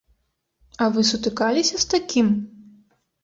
А вы сутыкаліся з такім?